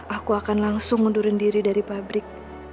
aku akan langsung mundurin diri dari pabrik